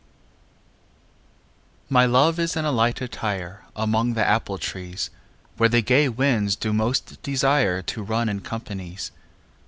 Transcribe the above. VII My love is in a light attire Among the apple trees, Where the gay winds do most desire To run in companies.